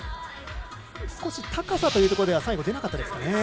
少し高さというところでは出なかったですかね。